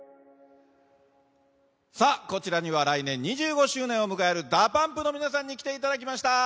こちらには来年２５周年を迎えるＤＡＰＵＭＰの皆さんに来ていただきました。